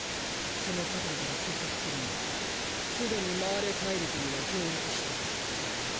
その速度から推測するに既にマーレ大陸には上陸している。